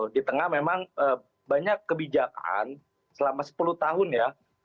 di tengah memang banyak kebijakan selama sepuluh tahun ya